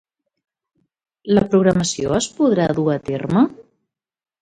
La programació es podrà dur a terme?